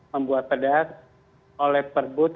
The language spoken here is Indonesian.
membuat pedah oleh perbut